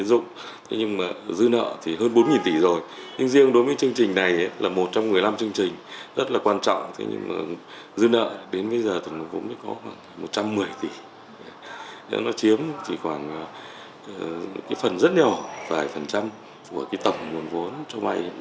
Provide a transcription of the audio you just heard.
nó chiếm chỉ khoảng phần rất nhiều vài phần trăm của tổng nguồn vốn cho vay hiện tại của chính ánh